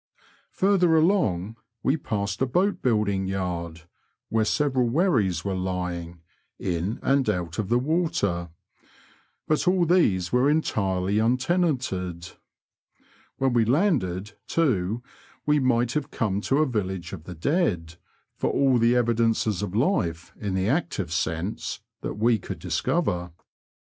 Further along, we passed a boat building yard, where several wherries were lying, in and out the water ; but all these were entirely untenanted. When we landed, too, we might have come to a village of the dead, for all the evidences of life, in the active sense, that we could Digitized by VjOOQIC WBOXHAM TO BABTON AND ACLE. 131 discover.